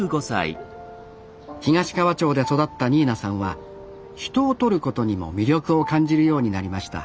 東川町で育ったニーナさんは人を撮ることにも魅力を感じるようになりました